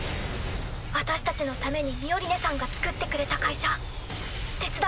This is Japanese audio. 私たちのためにミオリネさんがつくってくれた会社手伝いたい。